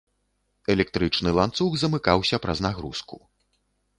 Электрычны ланцуг замыкаўся праз нагрузку.